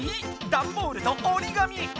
ダンボールとおりがみ。